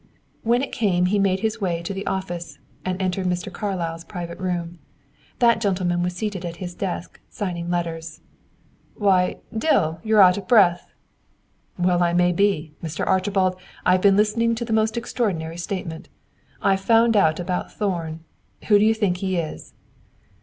When it came he made his way to the office, and entered Mr. Carlyle's private room. That gentleman was seated at his desk, signing letters. "Why, Dill, you are out of breath!" "Well I may be! Mr. Archibald, I have been listening to the most extraordinary statement. I have found out about Thorn. Who do you think he is?"